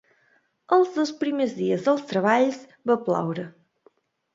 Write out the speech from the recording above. Els dos primers dies dels treballs va ploure.